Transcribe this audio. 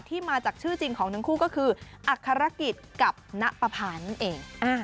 ที่มาจากชื่อจริงของทั้งคู่ก็คืออัครกิจกับณปภานั่นเอง